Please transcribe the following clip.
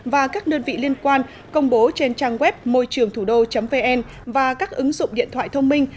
và các đơn vị liên quan công bố trên trang web môi trườngthủđô vn và các ứng dụng điện thoại thông minh